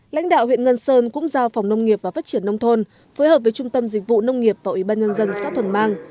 lãnh đạo huyện ngân sơn cũng giao phòng nông nghiệp và phát triển nông thôn phối hợp với trung tâm dịch vụ nông nghiệp và ủy ban nhân dân xã thuần mang